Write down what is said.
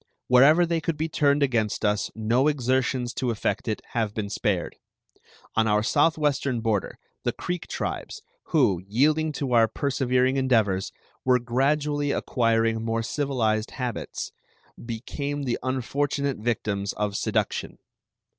Wherever they could be turned against us no exertions to effect it have been spared. On our southwestern border the Creek tribes, who, yielding to our persevering endeavors, were gradually acquiring more civilized habits, became the unfortunate victims of seduction.